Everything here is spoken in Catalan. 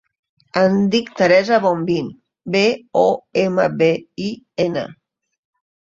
Em dic Teresa Bombin: be, o, ema, be, i, ena.